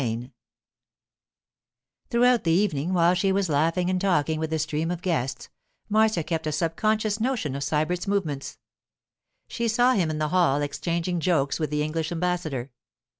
CHAPTER XIX THROUGHOUT the evening while she was laughing and talking with the stream of guests, Marcia kept a sub conscious notion of Sybert's movements. She saw him in the hall exchanging jokes with the English ambassador.